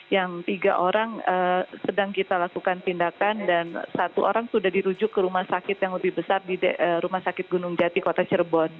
yang tiga orang sedang kita lakukan tindakan dan satu orang sudah dirujuk ke rumah sakit yang lebih besar di rumah sakit gunung jati kota cirebon